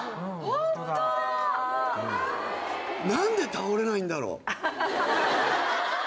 なんで倒れないんだろう？